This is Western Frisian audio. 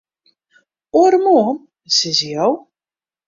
Oaremoarn, sizze jo?